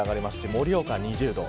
盛岡２０度。